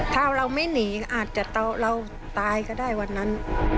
ถ้าเราไม่หนีก็อาจจะเราตายก็ได้วันนั้น